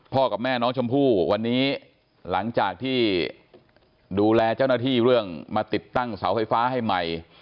กับแม่น้องชมพู่วันนี้หลังจากที่ดูแลเจ้าหน้าที่เรื่องมาติดตั้งเสาไฟฟ้าให้ใหม่